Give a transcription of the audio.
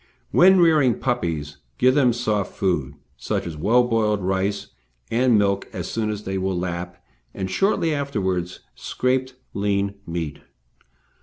When rearing puppies give them soft food, such as well boiled rice and milk, as soon as they will lap, and, shortly afterwards, scraped lean meat.